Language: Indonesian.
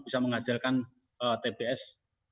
bisa menghasilkan tbs